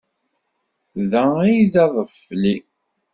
Day d aḍefli.